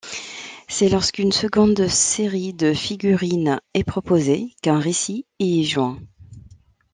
C'est lorsque'une seconde série de figurine est proposée qu'un récit y est joint.